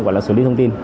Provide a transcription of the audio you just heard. gọi là xử lý thông tin